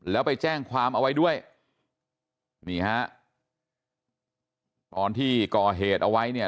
แล้วไปแจ้งความเอาไว้ด้วยนี่ฮะตอนที่ก่อเหตุเอาไว้เนี่ย